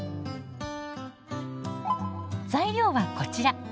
材料はこちら。